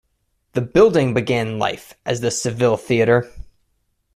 The building began life as the Seville Theater.